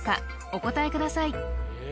お答えください